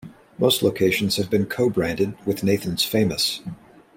Most locations have been co-branded with Nathan's Famous.